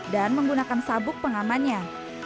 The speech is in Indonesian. dan menggunakan sabuk pengamannya